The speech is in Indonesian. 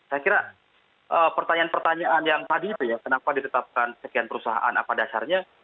saya kira pertanyaan pertanyaan yang tadi itu ya kenapa ditetapkan sekian perusahaan apa dasarnya